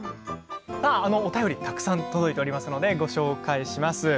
お便り、たくさん届いていますので、ご紹介します。